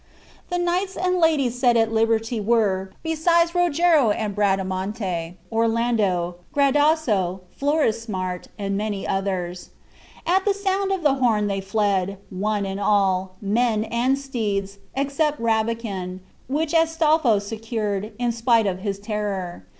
The knights and ladies set at liberty were, besides Rogero and Bradamante, Orlando, Gradasso, Florismart, and many more. At the sound of the horn they fled, one and all, men and steeds, except Rabican, which Astolpho secured, in spite of his terror.